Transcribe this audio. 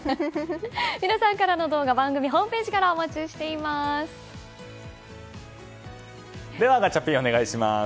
皆さんからの動画番組ホームページからではガチャピンお願いします。